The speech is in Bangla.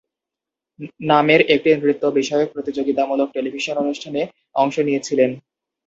নামের একটি নৃত্য বিষয়ক প্রতিযোগিতামূলক টেলিভিশন অনুষ্ঠানে অংশ নিয়েছিলেন।